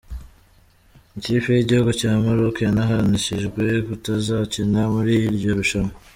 Ikipe y’igihugu cya Maroc yanahanishijwe kutazakina muri iryo rushanwa.